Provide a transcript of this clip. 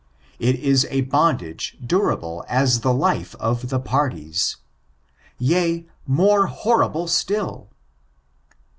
It is a bondage durable as the life of the parties. Yea, more horrible still!